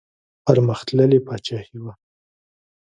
پرمختللې پاچاهي وه.